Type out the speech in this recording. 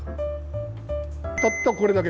たったこれだけ。